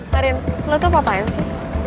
karin lo tuh apaan sih